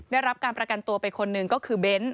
ได้รับการประกันตัวไปคนหนึ่งก็คือเบ้น